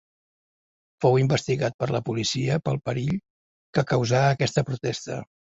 Fou investigat per la policia pel perill que causà aquesta protesta.